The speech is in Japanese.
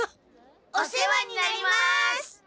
お世話になります！